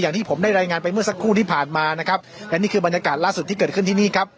อย่างที่ผมได้รายงานไปเมื่อสักครู่ที่ผ่านมานะครับและนี่คือบรรยากาศล่าสุดที่เกิดขึ้นที่นี่ครับ